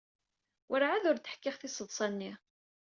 Werɛad ur d-ḥkiɣ tiseḍsa-nni.